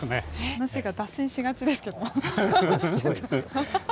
話が脱線しがちですけど。